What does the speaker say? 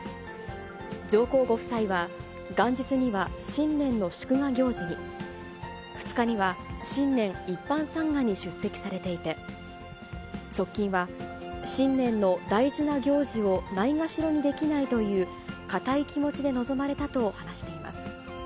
上皇ご夫妻は、元日には新年の祝賀行事に、２日には新年一般参賀に出席されていて、側近は、新年の大事な行事をないがしろにできないという、固い気持ちで臨まれたと話しています。